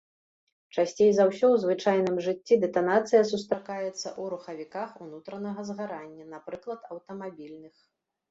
Часцей за ўсё ў звычайным жыцці дэтанацыя сустракаецца ў рухавіках унутранага згарання, напрыклад аўтамабільных.